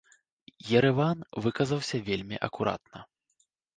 Ерэван выказаўся вельмі акуратна.